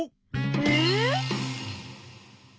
えっ？